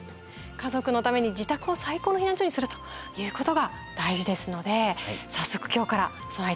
家族のために自宅を最高の避難所にするということが大事ですので早速今日から備えて頂きたいと思います。